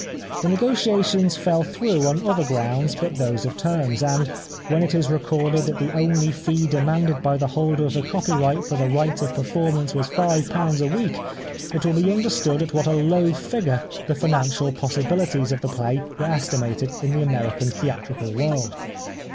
The negotiations fell through on other grounds but those of terms ; and when it is recorded that the only fee demanded by the holder of the copyright for the right of perform ance was five pounds a week, it will be under stood at what a low figure the financial pos sibilities of the play were estimated in the American theatrical world.